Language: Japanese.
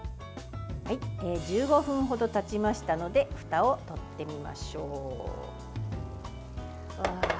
１５分ほどたちましたのでふたをとってみましょう。